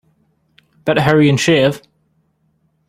Better hurry and shave.